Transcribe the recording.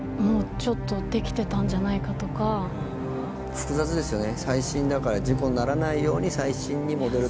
複雑ですよね。